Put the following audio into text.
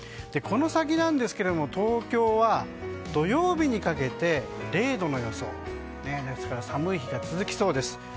この先なんですが東京は土曜日にかけて０度の予想ですから寒い日が続きそうです。